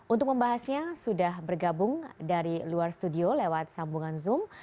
untuk membahasnya sudah bergabung dari luar studio lewat sambungan zoom